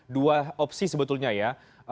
dua opsi sebetulnya ya